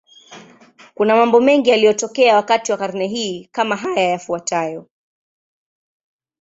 Kuna mambo mengi yaliyotokea wakati wa karne hii, kama haya yafuatayo.